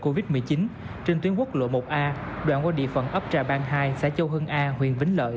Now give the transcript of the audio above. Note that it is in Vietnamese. covid một mươi chín trên tuyến quốc lộ một a đoạn qua địa phận ấp trà bang hai xã châu hưng a huyện vĩnh lợi